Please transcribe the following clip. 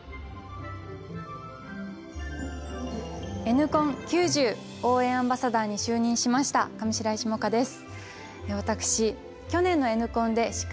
Ｎコン９０応援アンバサダーに就任しました上白石萌歌です。